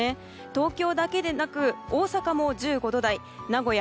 東京だけでなく大阪も１５度台。